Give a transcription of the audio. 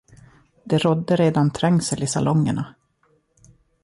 Det rådde redan trängsel i salongerna.